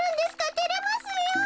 てれますよ。